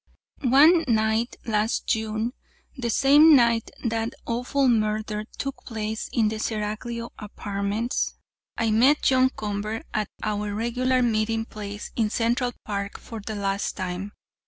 "'One night last June, the same night that awful murder took place in the Seraglio Apartments, I met John Convert at our regular meeting place in Central Park for the last time.